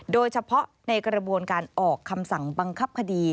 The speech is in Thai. โดยเฉพาะในกระบวนการออกคำสั่งบังคับคดี